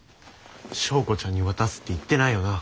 「昭子ちゃんに渡す」って言ってないよな？